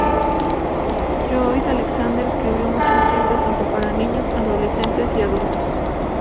Lloyd Alexander escribió muchos libros tanto para niños, adolescentes y adultos.